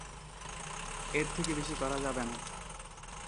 এর থেকে বেশি করা যাবে না।